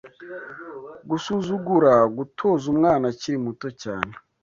Gusuzugura gutoza umwana akiri muto cyane